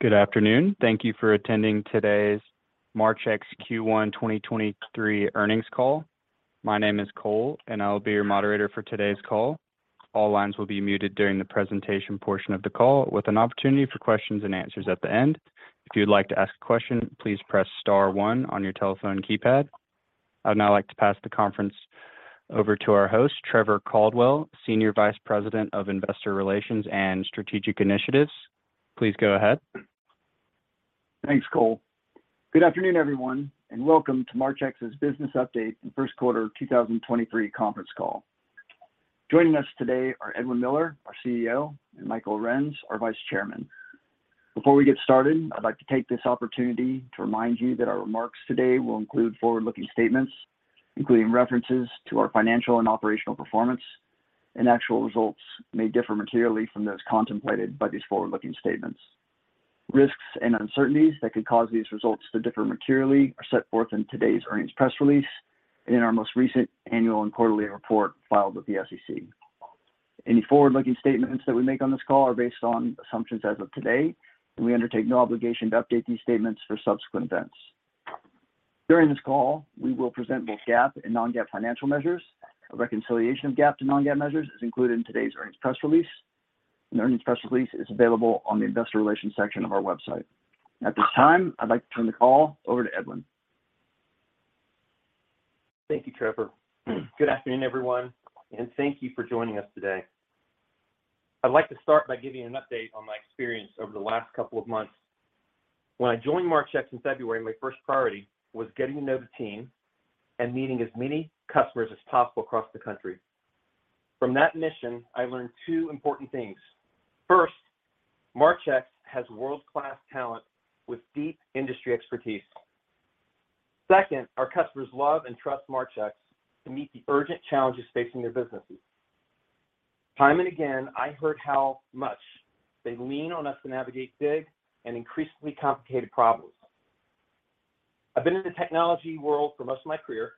Good afternoon. Thank you for attending today's Marchex Q1 2023 earnings call. My name is Cole, and I'll be your moderator for today's call. All lines will be muted during the presentation portion of the call with an opportunity for questions and answers at the end. If you'd like to ask a question, please press star one on your telephone keypad. I would now like to pass the conference over to our host, Trevor Caldwell, Senior Vice President of Investor Relations and Strategic Initiatives. Please go ahead. Thanks, Cole. Good afternoon, everyone, welcome to Marchex's Business Update and First Quarter 2023 conference call. Joining us today are Edwin Miller, our CEO, and Michael Arends, our Vice Chairman. Before we get started, I'd like to take this opportunity to remind you that our remarks today will include forward-looking statements, including references to our financial and operational performance, actual results may differ materially from those contemplated by these forward-looking statements. Risks and uncertainties that could cause these results to differ materially are set forth in today's earnings press release in our most recent annual and quarterly report filed with the SEC. Any forward-looking statements that we make on this call are based on assumptions as of today, we undertake no obligation to update these statements for subsequent events. During this call, we will present both GAAP and non-GAAP financial measures. A reconciliation of GAAP to non-GAAP measures is included in today's earnings press release. An earnings press release is available on the investor relations section of our website. At this time, I'd like to turn the call over to Edwin. Thank you, Trevor. Good afternoon, everyone, and thank you for joining us today. I'd like to start by giving an update on my experience over the last couple of months. When I joined Marchex in February, my first priority was getting to know the team and meeting as many customers as possible across the country. From that mission, I learned two important things. First, Marchex has world-class talent with deep industry expertise. Second, our customers love and trust Marchex to meet the urgent challenges facing their businesses. Time and again, I heard how much they lean on us to navigate big and increasingly complicated problems. I've been in the technology world for most of my career,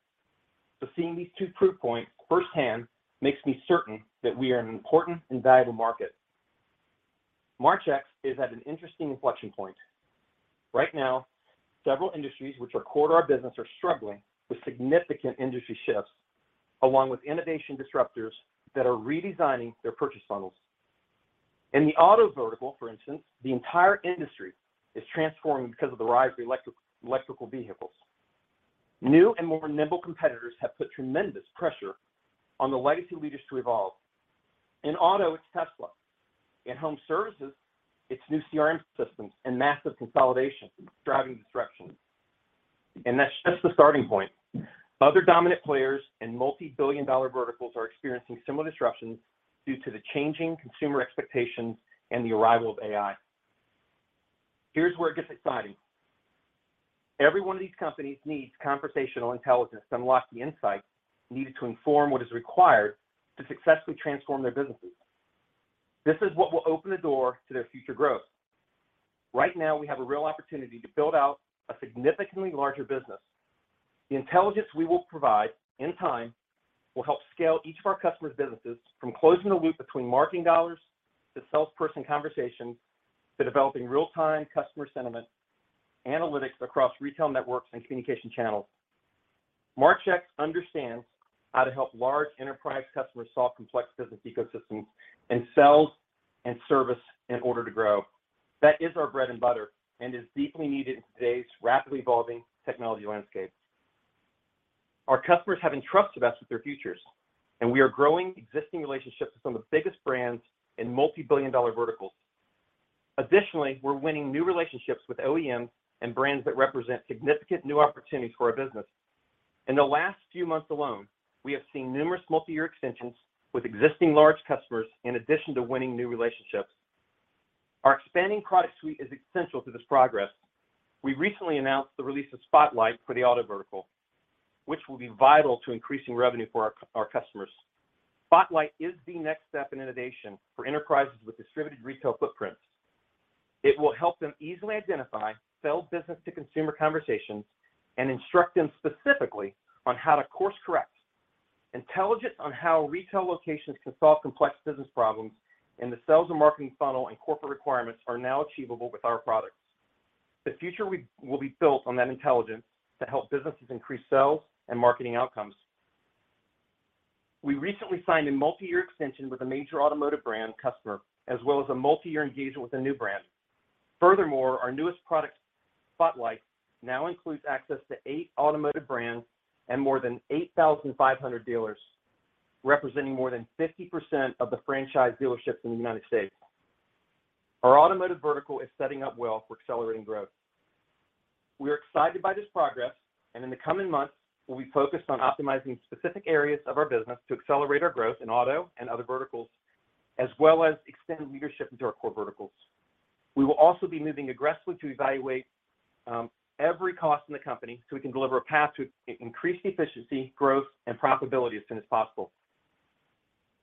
so seeing these two proof points firsthand makes me certain that we are an important and valuable market. Marchex is at an interesting inflection point. Right now, several industries which are core to our business are struggling with significant industry shifts, along with innovation disruptors that are redesigning their purchase funnels. In the auto vertical, for instance, the entire industry is transforming because of the rise of electric, electrical vehicles. New and more nimble competitors have put tremendous pressure on the legacy leaders to evolve. In auto, it's Tesla. In home services, it's new CRM systems and massive consolidation driving disruption. That's just the starting point. Other dominant players in multi-billion dollar verticals are experiencing similar disruptions due to the changing consumer expectations and the arrival of AI. Here's where it gets exciting. Every one of these companies needs conversational intelligence to unlock the insights needed to inform what is required to successfully transform their businesses. This is what will open the door to their future growth. Right now, we have a real opportunity to build out a significantly larger business. The intelligence we will provide in time will help scale each of our customers' businesses from closing the loop between marketing dollars to salesperson conversations to developing real-time customer sentiment analytics across retail networks and communication channels. Marchex understands how to help large enterprise customers solve complex business ecosystems in sales and service in order to grow. That is our bread and butter and is deeply needed in today's rapidly evolving technology landscape. Our customers have entrusted us with their futures, and we are growing existing relationships with some of the biggest brands in multi-billion dollar verticals. Additionally, we're winning new relationships with OEMs and brands that represent significant new opportunities for our business. In the last few months alone, we have seen numerous multi-year extensions with existing large customers in addition to winning new relationships. Our expanding product suite is essential to this progress. We recently announced the release of Spotlight for Automotive, which will be vital to increasing revenue for our customers. Spotlight is the next step in innovation for enterprises with distributed retail footprints. It will help them easily identify sales business to consumer conversations and instruct them specifically on how to course correct. Intelligence on how retail locations can solve complex business problems in the sales and marketing funnel and corporate requirements are now achievable with our products. The future will be built on that intelligence to help businesses increase sales and marketing outcomes. We recently signed a multi-year extension with a major automotive brand customer, as well as a multi-year engagement with a new brand. Furthermore, our newest product, Spotlight, now includes access to 8 automotive brands and more than 8,500 dealers, representing more than 50% of the franchise dealerships in the United States. Our automotive vertical is setting up well for accelerating growth. We are excited by this progress, and in the coming months, we'll be focused on optimizing specific areas of our business to accelerate our growth in auto and other verticals, as well as extend leadership into our core verticals. We will also be moving aggressively to evaluate every cost in the company, so we can deliver a path to increased efficiency, growth, and profitability as soon as possible.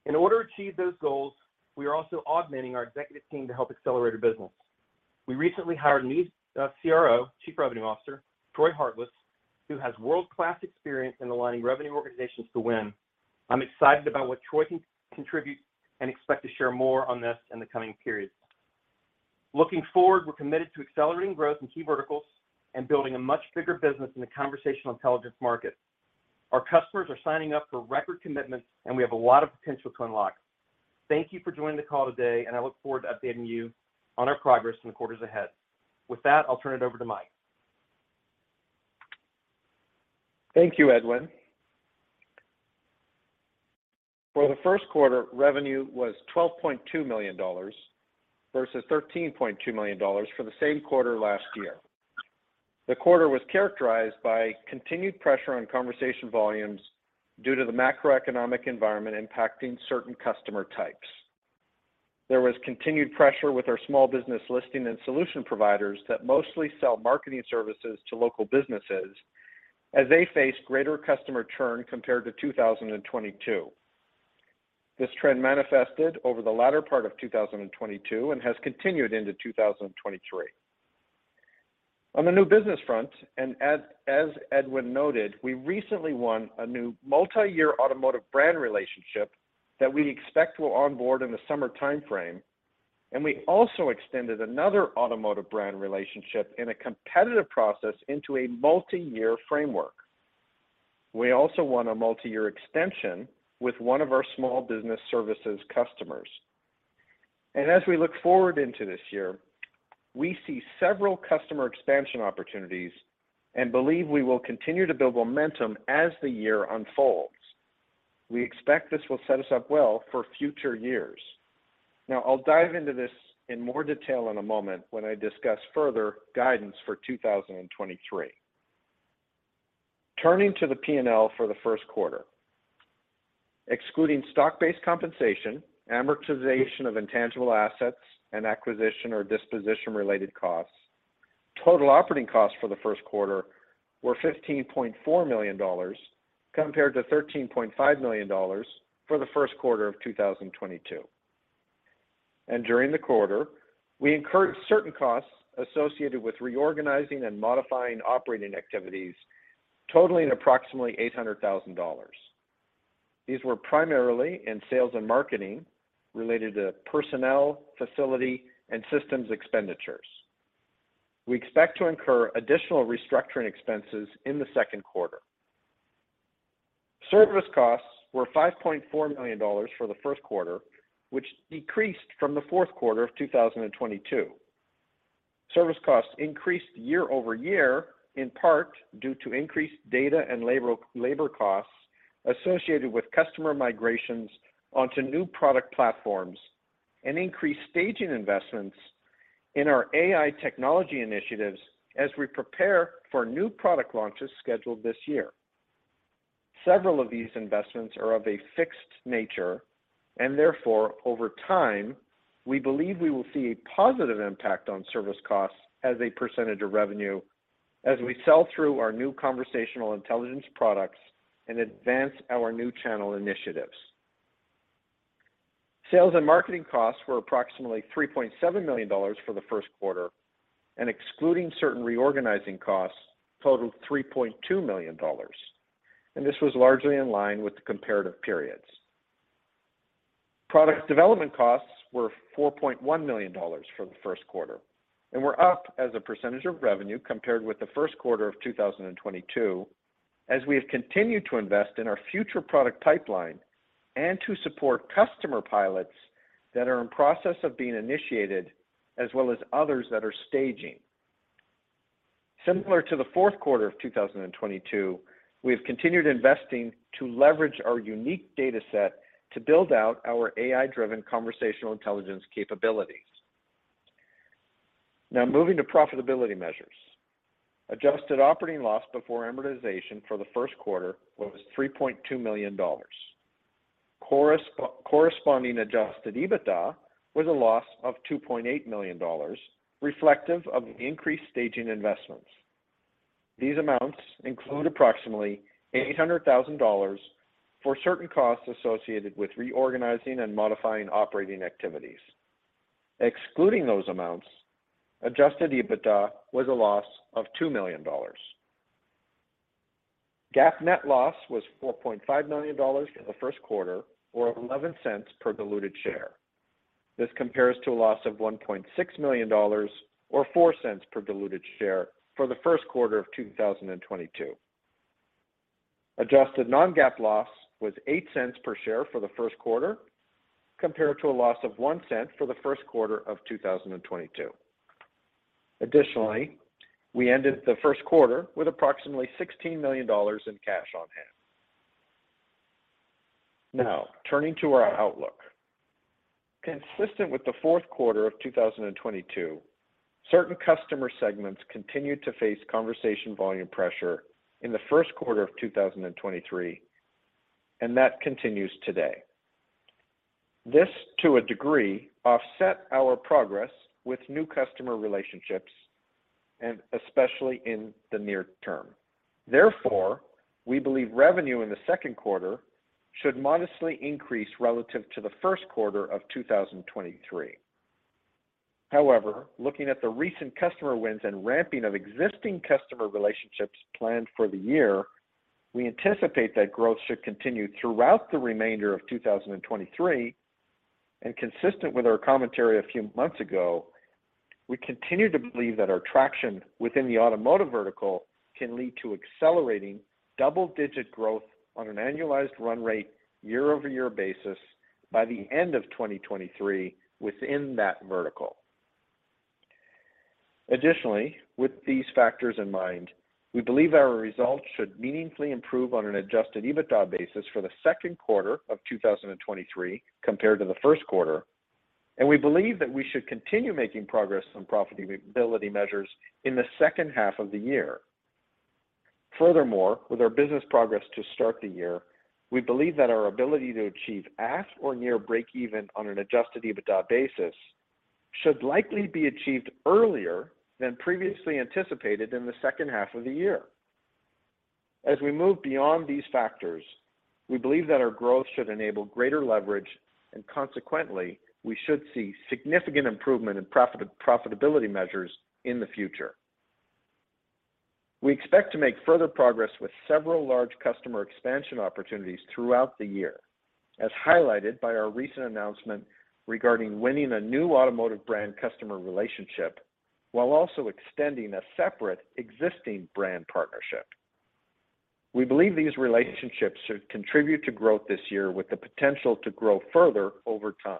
In order to achieve those goals, we are also augmenting our executive team to help accelerate our business. We recently hired a new CRO, Chief Revenue Officer, Troy Hartless, who has world-class experience in aligning revenue organizations to win. I'm excited about what Troy can contribute and expect to share more on this in the coming periods. Looking forward, we're committed to accelerating growth in key verticals and building a much bigger business in the conversational intelligence market. Our customers are signing up for record commitments, and we have a lot of potential to unlock. Thank you for joining the call today, and I look forward to updating you on our progress in the quarters ahead. With that, I'll turn it over to Mike. Thank you, Edwin. For the first quarter, revenue was $12.2 million, versus $13.2 million for the same quarter last year. The quarter was characterized by continued pressure on conversation volumes due to the macroeconomic environment impacting certain customer types. There was continued pressure with our small business listing and solution providers that mostly sell marketing services to local businesses as they face greater customer churn compared to 2022. This trend manifested over the latter part of 2022 and has continued into 2023. On the new business front, and as Edwin noted, we recently won a new multi-year automotive brand relationship that we expect will onboard in the summer timeframe, and we also extended another automotive brand relationship in a competitive process into a multi-year framework. We also won a multi-year extension with one of our small business services customers. As we look forward into this year, we see several customer expansion opportunities and believe we will continue to build momentum as the year unfolds. We expect this will set us up well for future years. I'll dive into this in more detail in a moment when I discuss further guidance for 2023. Turning to the P&L for the first quarter. Excluding stock-based compensation, amortization of intangible assets, and acquisition or disposition-related costs, total operating costs for the first quarter were $15.4 million compared to $13.5 million for the first quarter of 2022. During the quarter, we incurred certain costs associated with reorganizing and modifying operating activities totaling approximately $800,000. These were primarily in sales and marketing related to personnel, facility, and systems expenditures. We expect to incur additional restructuring expenses in the second quarter. Service costs were $5.4 million for the first quarter, which decreased from the fourth quarter of 2022. Service costs increased year-over-year in part due to increased data and labor costs associated with customer migrations onto new product platforms and increased staging investments in our AI technology initiatives as we prepare for new product launches scheduled this year. Several of these investments are of a fixed nature, and therefore, over time, we believe we will see a positive impact on service costs as a percentage of revenue as we sell through our new conversational intelligence products and advance our new channel initiatives. Sales and marketing costs were approximately $3.7 million for the first quarter and, excluding certain reorganizing costs, totaled $3.2 million. This was largely in line with the comparative periods. Product development costs were $4.1 million for the first quarter and were up as a % of revenue compared with the first quarter of 2022, as we have continued to invest in our future product pipeline and to support customer pilots that are in process of being initiated, as well as others that are staging. Similar to the fourth quarter of 2022, we have continued investing to leverage our unique data set to build out our AI-driven conversational intelligence capabilities. Moving to profitability measures. Adjusted operating loss before amortization for the first quarter was $3.2 million. Corresponding Adjusted EBITDA was a loss of $2.8 million, reflective of the increased staging investments. These amounts include approximately $800,000 for certain costs associated with reorganizing and modifying operating activities. Excluding those amounts, Adjusted EBITDA was a loss of $2 million. GAAP net loss was $4.5 million for the first quarter or $0.11 per diluted share. This compares to a loss of $1.6 million or $0.04 per diluted share for the first quarter of 2022. Adjusted non-GAAP loss was $0.08 per share for the first quarter compared to a loss of $0.01 for the first quarter of 2022. Additionally, we ended the first quarter with approximately $16 million in cash on hand. Now, turning to our outlook. Consistent with the fourth quarter of 2022, certain customer segments continued to face conversation volume pressure in the first quarter of 2023. That continues today. This, to a degree, offset our progress with new customer relationships, especially in the near term. Therefore, we believe revenue in the second quarter should modestly increase relative to the first quarter of 2023. However, looking at the recent customer wins and ramping of existing customer relationships planned for the year, we anticipate that growth should continue throughout the remainder of 2023. Consistent with our commentary a few months ago, we continue to believe that our traction within the automotive vertical can lead to accelerating double-digit growth on an annualized run rate year-over-year basis by the end of 2023 within that vertical. With these factors in mind, we believe our results should meaningfully improve on an Adjusted EBITDA basis for the second quarter of 2023 compared to the first quarter, and we believe that we should continue making progress on profitability measures in the second half of the year. With our business progress to start the year, we believe that our ability to achieve at or near breakeven on an Adjusted EBITDA basis should likely be achieved earlier than previously anticipated in the second half of the year. As we move beyond these factors, we believe that our growth should enable greater leverage, and consequently, we should see significant improvement in profitability measures in the future. We expect to make further progress with several large customer expansion opportunities throughout the year, as highlighted by our recent announcement regarding winning a new automotive brand customer relationship while also extending a separate existing brand partnership. We believe these relationships should contribute to growth this year with the potential to grow further over time.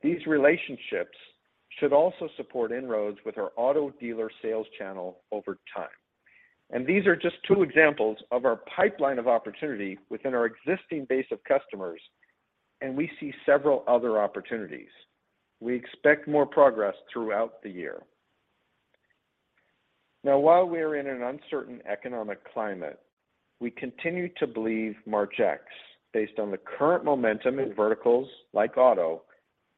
These relationships should also support inroads with our auto dealer sales channel over time. These are just two examples of our pipeline of opportunity within our existing base of customers, and we see several other opportunities. We expect more progress throughout the year. While we're in an uncertain economic climate, we continue to believe Marchex, based on the current momentum in verticals like auto,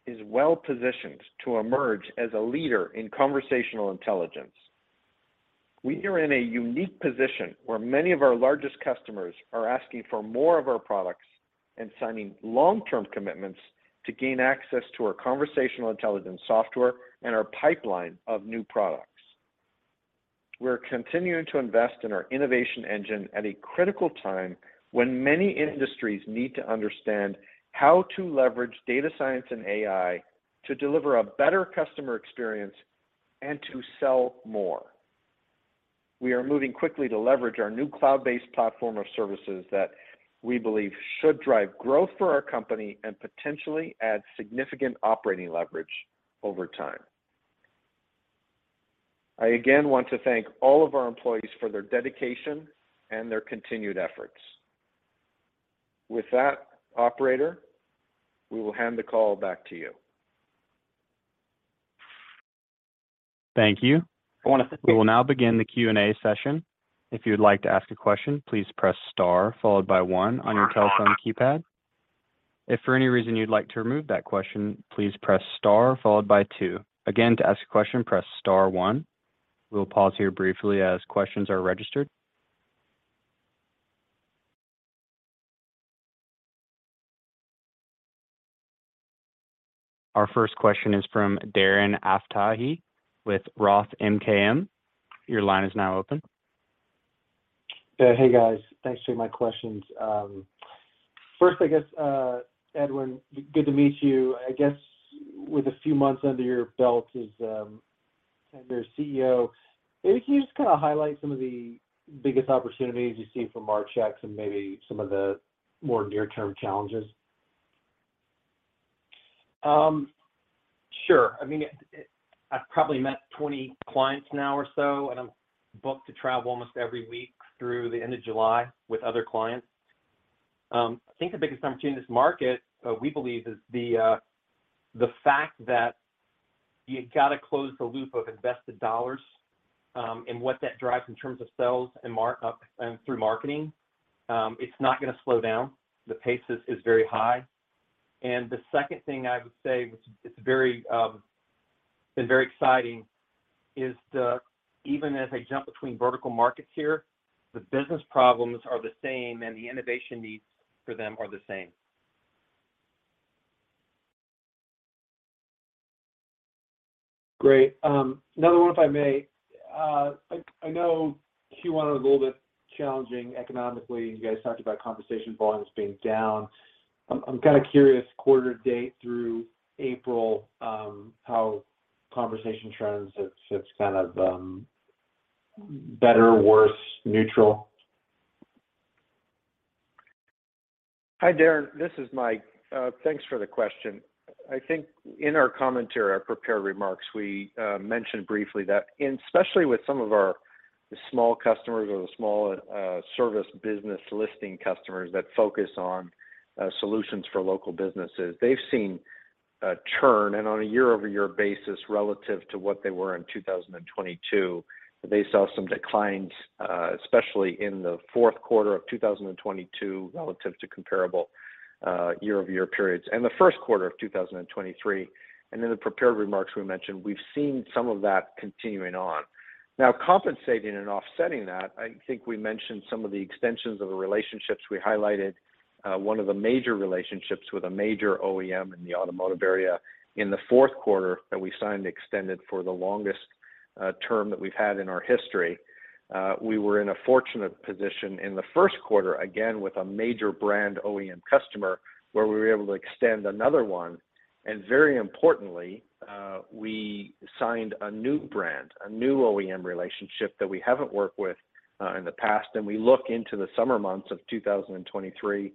is well-positioned to emerge as a leader in conversational intelligence. We are in a unique position where many of our largest customers are asking for more of our products and signing long-term commitments to gain access to our conversational intelligence software and our pipeline of new products. We're continuing to invest in our innovation engine at a critical time when many industries need to understand how to leverage data science and AI to deliver a better customer experience and to sell more. We are moving quickly to leverage our new cloud-based platform of services that we believe should drive growth for our company and potentially add significant operating leverage over time. I again want to thank all of our employees for their dedication and their continued efforts. With that, operator, we will hand the call back to you. Thank you. We will now begin the Q&A session. If you would like to ask a question, please press star followed by one on your telephone keypad. If for any reason you'd like to remove that question, please press star followed by two. Again, to ask a question, press star one. We'll pause here briefly as questions are registered. Our first question is from Darren Aftahi with Roth MKM. Your line is now open. Hey, guys. Thanks for taking my questions. First, I guess, Edwin, good to meet you. I guess with a few months under your belt as CEO, can you just kinda highlight some of the biggest opportunities you see for Marchex and maybe some of the more near-term challenges? Sure. I mean, I've probably met 20 clients now or so, and I'm booked to travel almost every week through the end of July with other clients. I think the biggest opportunity in this market, we believe, is the fact that you gotta close the loop of invested dollars, and what that drives in terms of sales and markup and through marketing. It's not gonna slow down. The pace is very high. The second thing I would say, which it's very been very exciting, is the, even as I jump between vertical markets here, the business problems are the same, and the innovation needs for them are the same. Great. Another one, if I may. I know Q1 was a little bit challenging economically. You guys talked about conversation volumes being down. I'm kinda curious quarter to date through April, how conversation trends have kind of better, worse, neutral? Hi, Darren. This is Mike. Thanks for the question. I think in our commentary, our prepared remarks, we mentioned briefly that, and especially with some of our small customers or the small service business listing customers that focus on solutions for local businesses, they've seen a churn. On a year-over-year basis relative to what they were in 2022, they saw some declines, especially in the fourth quarter of 2022 relative to comparable year-over-year periods and the first quarter of 2023. In the prepared remarks we mentioned we've seen some of that continuing on. Compensating and offsetting that, I think we mentioned some of the extensions of the relationships we highlighted One of the major relationships with a major OEM in the automotive area in the fourth quarter that we signed extended for the longest term that we've had in our history. We were in a fortunate position in the first quarter, again, with a major brand OEM customer, where we were able to extend another one. Very importantly, we signed a new brand, a new OEM relationship that we haven't worked with in the past. We look into the summer months of 2023,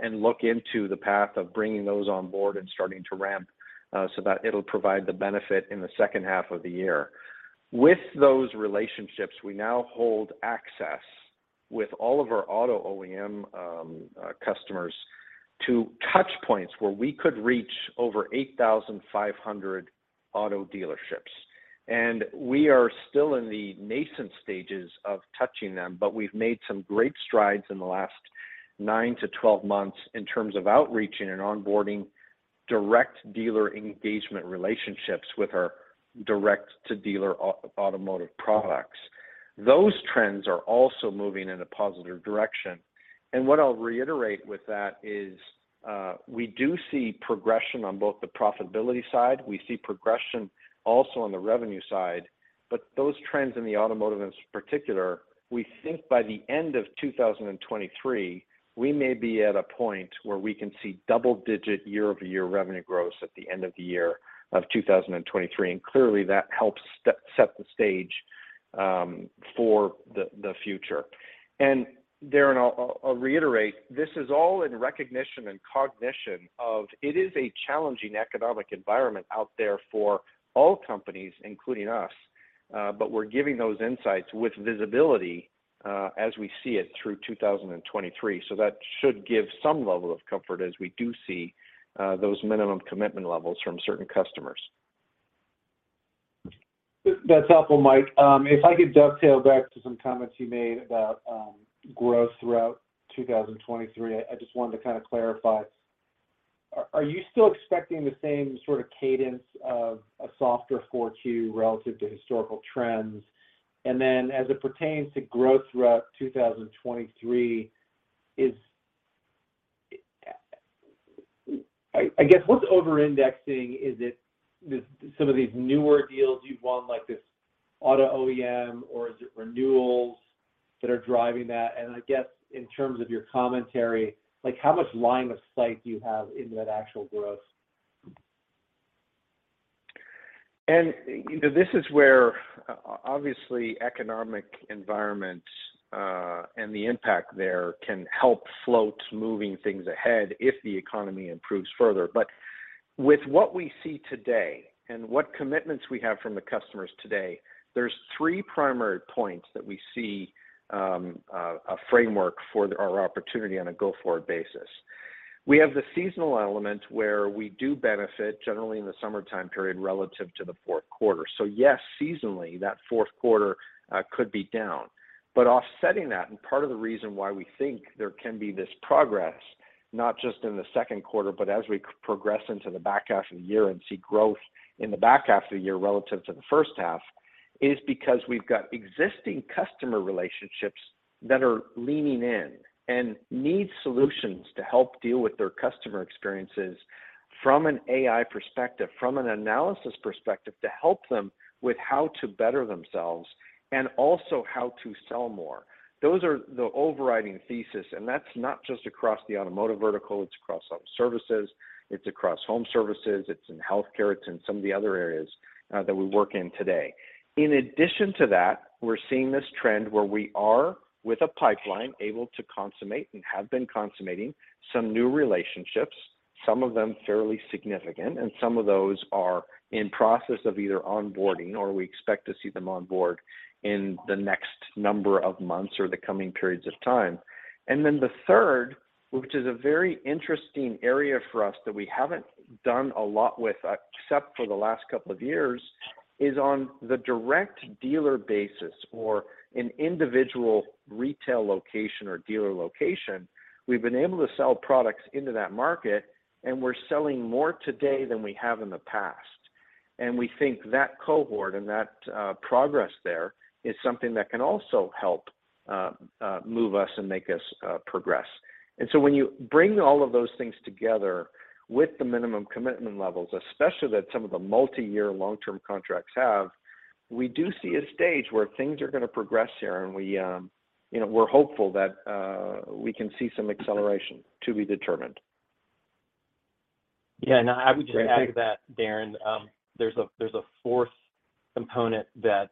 and look into the path of bringing those on board and starting to ramp, so that it'll provide the benefit in the second half of the year. With those relationships, we now hold access with all of our auto OEM customers to touch points where we could reach over 8,500 auto dealerships. We are still in the nascent stages of touching them, but we've made some great strides in the last 9-12 months in terms of outreaching and onboarding direct dealer engagement relationships with our direct-to-dealer automotive products. Those trends are also moving in a positive direction. What I'll reiterate with that is we do see progression on both the profitability side, we see progression also on the revenue side, but those trends in the automotive in particular, we think by the end of 2023, we may be at a point where we can see double digit year-over-year revenue growth at the end of the year of 2023. Clearly that helps set the stage for the future. Darren, I'll reiterate, this is all in recognition and cognition of it is a challenging economic environment out there for all companies, including us, but we're giving those insights with visibility as we see it through 2023. That should give some level of comfort as we do see those minimum commitment levels from certain customers. That's helpful, Mike. If I could dovetail back to some comments you made about growth throughout 2023, I just wanted to kind of clarify. Are you still expecting the same sort of cadence of a softer Q2 relative to historical trends? As it pertains to growth throughout 2023, I guess, what's over-indexing? Is it some of these newer deals you've won, like this auto OEM, or is it renewals that are driving that? I guess in terms of your commentary, like how much line of sight do you have into that actual growth? You know, this is where obviously economic environment, and the impact there can help float moving things ahead if the economy improves further. With what we see today and what commitments we have from the customers today, there's three primary points that we see a framework for our opportunity on a go-forward basis. We have the seasonal element, where we do benefit generally in the summertime period relative to the fourth quarter. Yes, seasonally, that fourth quarter could be down. Offsetting that, and part of the reason why we think there can be this progress, not just in the second quarter, but as we progress into the back half of the year and see growth in the back half of the year relative to the first half, is because we've got existing customer relationships that are leaning in and need solutions to help deal with their customer experiences from an AI perspective, from an analysis perspective, to help them with how to better themselves and also how to sell more. Those are the overriding thesis, and that's not just across the automotive vertical, it's across other services, it's across home services, it's in healthcare, it's in some of the other areas that we work in today. In addition to that, we're seeing this trend where we are, with a pipeline, able to consummate and have been consummating some new relationships, some of them fairly significant, and some of those are in process of either onboarding or we expect to see them onboard in the next number of months or the coming periods of time. The third, which is a very interesting area for us that we haven't done a lot with except for the last couple of years, is on the direct dealer basis or an individual retail location or dealer location. We've been able to sell products into that market, and we're selling more today than we have in the past. We think that cohort and that progress there is something that can also help move us and make us progress. When you bring all of those things together with the minimum commitment levels, especially that some of the multi-year long-term contracts have, we do see a stage where things are gonna progress here and we, you know, we're hopeful that we can see some acceleration to be determined. Yeah. No, I would just add to that, Darren, there's a fourth component that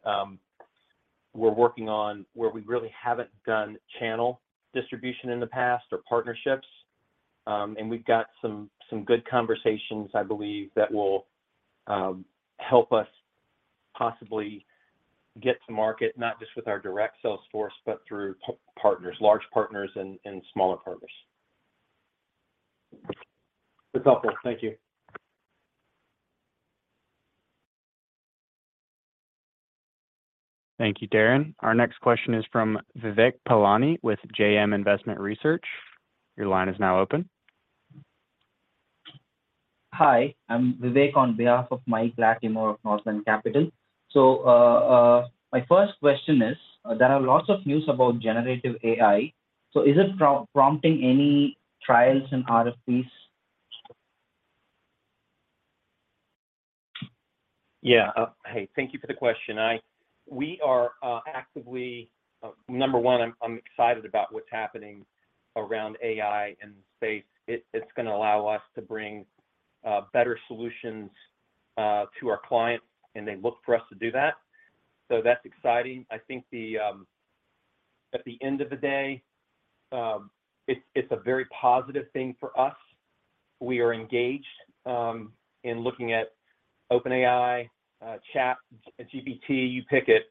we're working on where we really haven't done channel distribution in the past or partnerships. We've got some good conversations, I believe, that will help us possibly get to market, not just with our direct sales force, but through partners, large partners and smaller partners. That's helpful. Thank you. Thank you, Darren. Our next question is from Vivek Palani with JMN Investments Research. Your line is now open. Hi, I'm Vivek on behalf of Mike Latimore of Northland Capital Markets. My first question is, there are lots of news about generative AI, so is it pro-prompting any trials and RFPs? Yeah. Hey, thank you for the question. We are actively. Number one, I'm excited about what's happening around AI and space. It's gonna allow us to bring better solutions to our clients, and they look for us to do that. That's exciting. I think the, at the end of the day, it's a very positive thing for us. We are engaged in looking at OpenAI, ChatGPT, you pick it,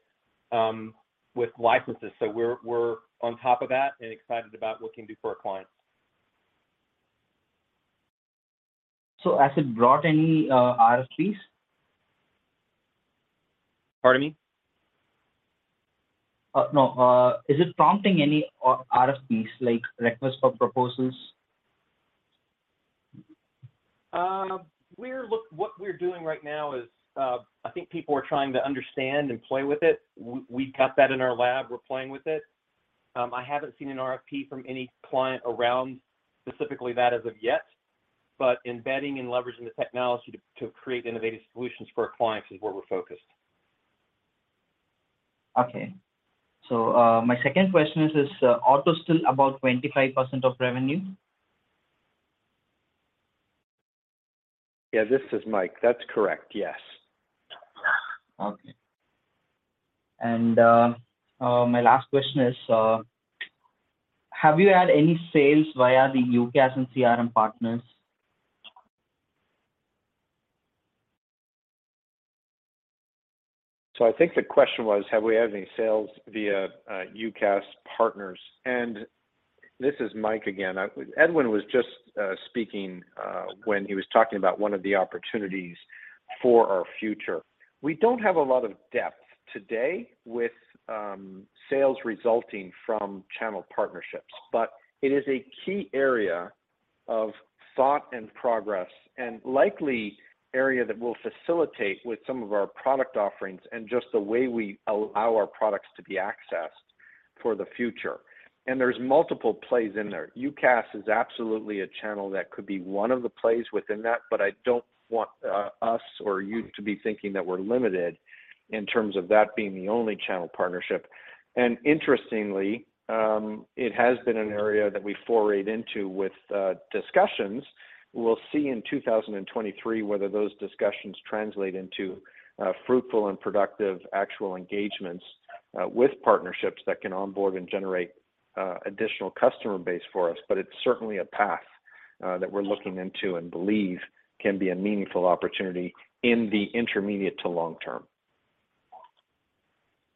with licenses. We're on top of that and excited about what it can do for our clients. Has it brought any RFPs? Pardon me? No. Is it prompting any RFPs like Request for Proposals? What we're doing right now is, I think people are trying to understand and play with it. We got that in our lab. We're playing with it. I haven't seen an RFP from any client around specifically that as of yet, but embedding and leveraging the technology to create innovative solutions for our clients is where we're focused. Okay. My second question is Auto still about 25% of revenue? Yeah. This is Mike. That's correct, yes. Okay. My last question is, have you had any sales via the UCaaS and CRM partners? I think the question was, have we had any sales via UCaaS partners? This is Mike again. Edwin was just speaking when he was talking about one of the opportunities for our future. We don't have a lot of depth today with sales resulting from channel partnerships, but it is a key area of thought and progress, and likely area that will facilitate with some of our product offerings and just the way we allow our products to be accessed for the future. There's multiple plays in there. UCaaS is absolutely a channel that could be one of the plays within that, but I don't want us or you to be thinking that we're limited in terms of that being the only channel partnership. Interestingly, it has been an area that we forayed into with discussions. We'll see in 2023 whether those discussions translate into fruitful and productive actual engagements with partnerships that can onboard and generate additional customer base for us. It's certainly a path that we're looking into and believe can be a meaningful opportunity in the intermediate to long term.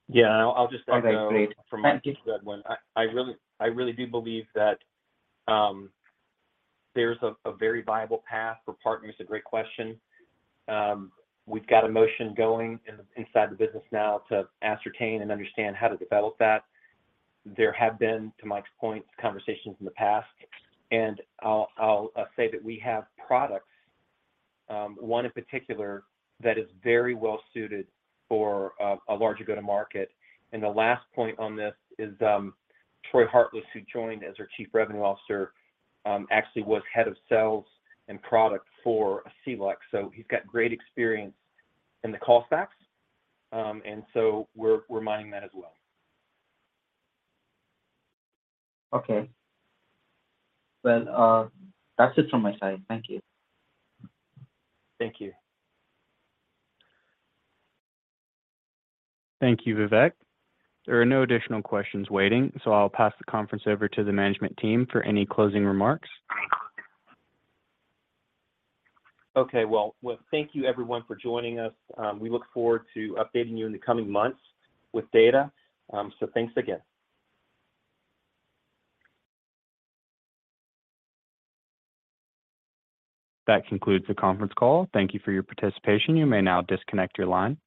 Yeah. I'll just add. Okay. Great. Thank you. From what you said, Edwin, I really do believe that there's a very viable path for partners. A great question. We've got a motion going in, inside the business now to ascertain and understand how to develop that. There have been, to Mike's point, conversations in the past. I'll say that we have products, one in particular that is very well suited for a larger go-to-market. The last point on this is Troy Hartless, who joined as our Chief Revenue Officer, actually was head of sales and product for [Callis Communications]. He's got great experience in the call stacks. We're mining that as well. Okay. Well, that's it from my side. Thank you. Thank you. Thank you, Vivek. There are no additional questions waiting, so I'll pass the conference over to the management team for any closing remarks. Okay. Well, thank you everyone for joining us. We look forward to updating you in the coming months with data. Thanks again. That concludes the conference call. Thank you for your participation. You may now disconnect your line.